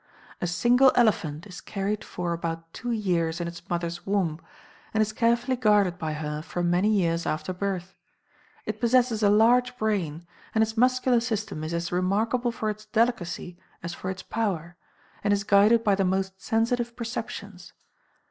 A single elephant is carried for about two years in its mother's womb, and is carefully guarded by her for many years after birth; it possesses a large brain, and its muscular system is as remarkable for its delicacy as for its power, and is guided by the most sensitive perceptions.